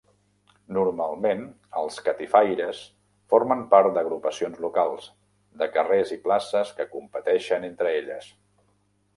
Normalment, els catifaires formen part d'agrupacions locals, de carrers i places que competeixen entre elles.